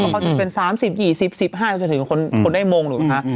พอจะเป็น๓๐๒๐๑๕จะถึงคนได้มงด์หนูนะคะ